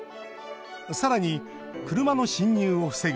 さらに、車の進入を防ぐ